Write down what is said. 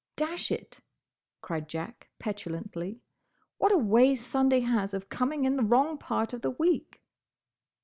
"Dash it!" cried Jack, petulantly. "What a way Sunday has of coming in the wrong part of the week!"